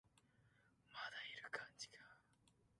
まだいる感じか